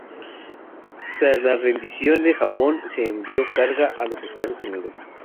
Tras la rendición de Japón, se envió carga a los Estados Unidos.